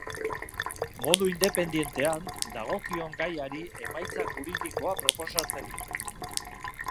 Modu independientean, dagokion gaiari emaitza juridikoa proposatzen du.